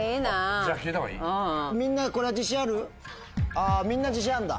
あみんな自信あるんだ。